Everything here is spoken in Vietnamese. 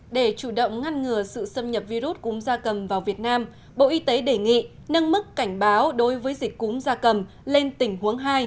để chủ động ngăn ngừa sự xâm nhập virus cúm da cầm vào việt nam bộ y tế đề nghị nâng mức cảnh báo đối với dịch cúm da cầm lên tình huống hai